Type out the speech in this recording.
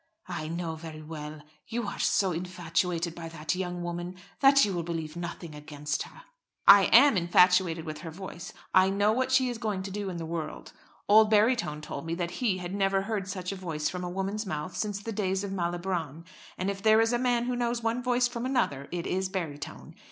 "I know very well. You are so infatuated by that young woman that you will believe nothing against her." "I am infatuated with her voice; I know what she is going to do in the world. Old Barytone told me that he had never heard such a voice from a woman's mouth since the days of Malibran; and if there is a man who knows one voice from another, it is Barytone.